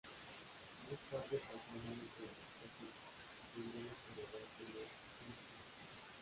Más tarde pasó a manos de Agatocles, que envió al historiador Timeo al exilio.